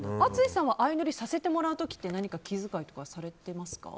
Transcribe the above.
淳さんは相乗りさせてもらう時何か気遣いされてますか？